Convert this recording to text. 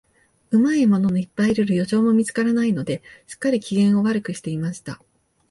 うまい獲物のいっぱいいる猟場も見つからないので、すっかり、機嫌を悪くしていました。